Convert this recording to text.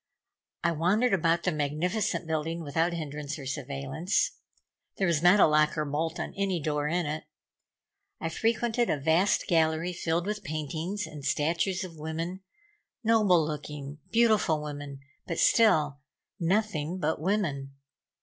I wandered about the magnificent building without hindrance or surveillance. There was not a lock or bolt on any door in it. I frequented a vast gallery filled with paintings and statues of women, noble looking, beautiful women, but still nothing but women.